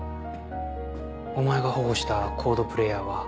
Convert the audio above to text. お前が保護したＣＯＤＥプレイヤーは。